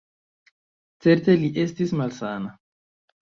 Certe li estis malsana.